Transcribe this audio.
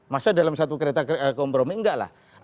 masa dalam satu kereta kompromi enggak lah